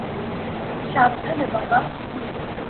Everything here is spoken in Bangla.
সাবধানে, বাবা।